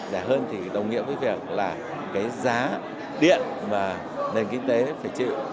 rẻ hơn thì đồng nghĩa với việc là cái giá điện mà nền kinh tế phải chịu